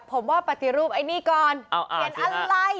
ผมว่าปฏิรูปไอ้นี่ก่อนเขียนอะไร